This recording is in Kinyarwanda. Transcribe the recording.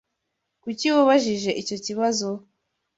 Kuki wabajije icyo kibazo?